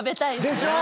でしょ？